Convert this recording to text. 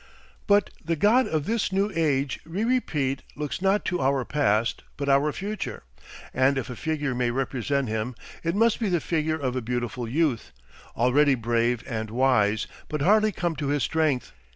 But the God of this new age, we repeat, looks not to our past but our future, and if a figure may represent him it must be the figure of a beautiful youth, already brave and wise, but hardly come to his strength.